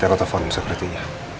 daripada telepon sepertinya